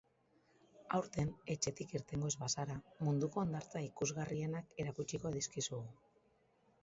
Aurten etxetik irtengo ez bazara, munduko hondartza ikusgarrienak erakutsiko dizkizugu.